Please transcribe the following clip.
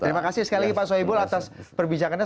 terima kasih sekali lagi pak soebul atas perbincangannya